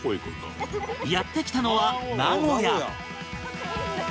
やって来たのは名古屋